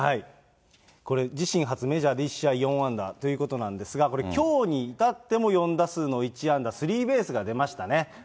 これ、自身初メジャー１試合４安打ということなんですが、きょうにいたっても４打数の１安打スリーベースが出ましたね。